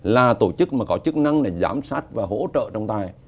là tổ chức mà có chức năng là giám sát và hỗ trợ trọng tài